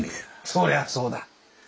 そりゃそうだ。